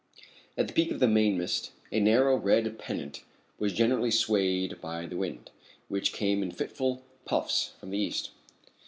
At the peak of the mainmast a narrow red pennant was gently swayed by the wind, which came in fitful puffs from the east.